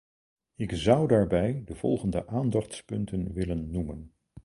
Ik zou daarbij de volgende aandachtspunten willen noemen.